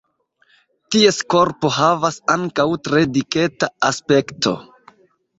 Ties korpo havas ankaŭ tre diketa aspekto.